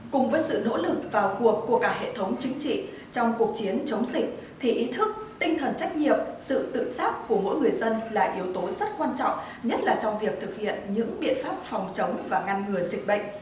cùng với sự nỗ lực vào cuộc của cả hệ thống chính trị trong cuộc chiến chống dịch thì ý thức tinh thần trách nhiệm sự tự giác của mỗi người dân là yếu tố rất quan trọng nhất là trong việc thực hiện những biện pháp phòng chống và ngăn ngừa dịch bệnh